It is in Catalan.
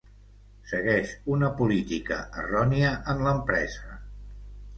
Segueix una política errònia en l'empresa.